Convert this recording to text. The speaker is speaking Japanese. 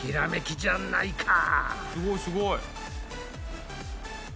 すごいすごい。